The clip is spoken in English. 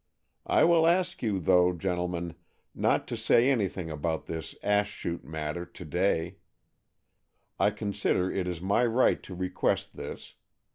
I will ask you, though, gentlemen, not to say anything about this ash chute matter to day. I consider it is my right to request this.